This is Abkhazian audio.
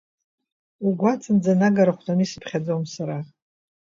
Угәаҵанӡа анагара ахәҭаны исзыԥхьаӡом сара…